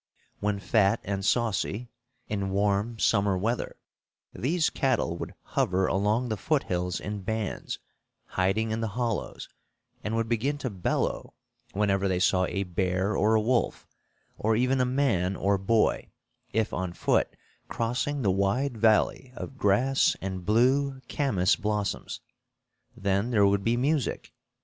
When fat and saucy, in warm summer weather, these cattle would hover along the foothills in bands, hiding in the hollows, and would begin to bellow whenever they saw a bear or a wolf, or even a man or boy, if on foot, crossing the wide valley of grass and blue camas blossoms. Then there would be music!